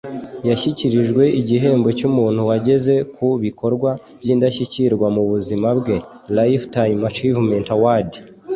yashyikirijwe igihembo cy’umuntu wageze ku bikorwa by’indashyikirwa mu buzima bwe (Lifetime Achievement Award